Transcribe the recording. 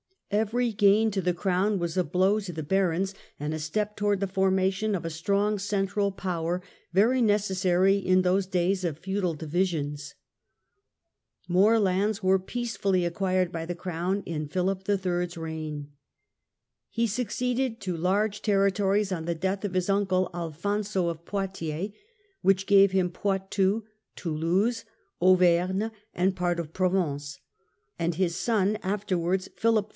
Every gain to the Crow^n was a blow to the barons, and a step towards the formation of a strong central power, very necessary New lauds in those days of feudal divisions. More lands were the Crown peacefully acquired by the Crown in Philip III.'s reign. He succeeded to large territories on the death of his uncle, Alfonso of Poitiers, which gave him Poitou, Toulouse, Auvergne and part of Provence ; and his son, afterwards Philip IV.